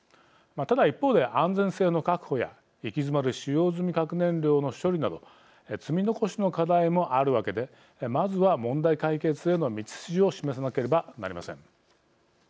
ただ一方で、安全性の確保や行き詰まる使用済み核燃料の処理など積み残しの課題もあるわけでまずは問題解決への道筋を示されなければなりません。